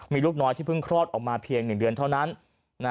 มีลูกน้อยที่เพิ่งคลอดออกมาเพียง๑เดือนเท่านั้น